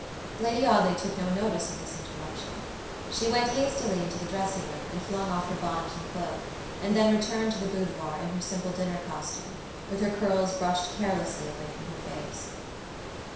Lady Audley took no notice of this interruption. She went hastily into the dressing room, and flung off her bonnet and cloak, and then returned to the boudoir, in her simple dinner costume, with her curls brushed carelessly away from her face.